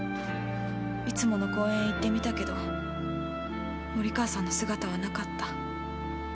いつもの公園へ行ってみたけど森川さんの姿はなかった。